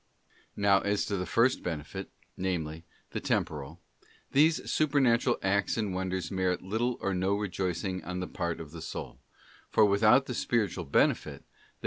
ial Now as to the first benefit, namely, the temporal: these inlovingGod supernatural acts and wonders merit little or no rejoicing on young the part of the soul, for without the spiritual benefit, they